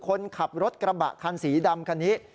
คนขับรถกระบะคันสีดำคันนี้